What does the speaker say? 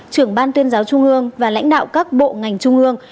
trưởng ban tuyên giáo trung ương và lãnh đạo các bộ ngành trung ương